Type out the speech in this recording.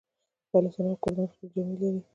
بلوڅان او کردان خپلې جامې لري.